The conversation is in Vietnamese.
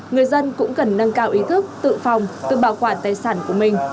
người dân cũng cần nâng cao ý thức tự phòng tự bảo quản tài sản của mình